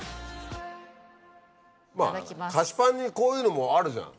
まぁ菓子パンにこういうのもあるじゃん。